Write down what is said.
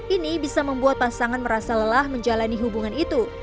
ini bisa membuat pasangan merasa lelah menjalani hubungan itu